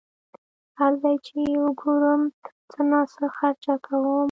هر ځای چې یې وګورم څه ناڅه خرچه کوم.